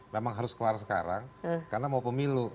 memang harus keluar sekarang karena mau pemilu